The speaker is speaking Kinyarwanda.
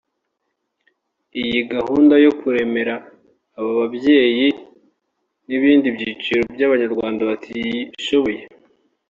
Iyi gahunda yo kuremera aba babyeyi n’ibindi byiciro by’Abanyarwanda batishoboye